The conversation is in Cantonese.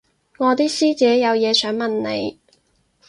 我啲師姐有嘢想問你